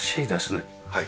はい。